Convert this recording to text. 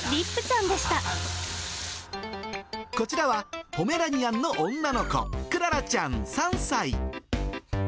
こちらは、ポメラニアンの女の子、クララちゃん３歳。